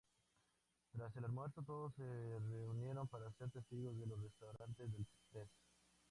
Tras el almuerzo, todos se reunieron para ser testigos de los resultados del test.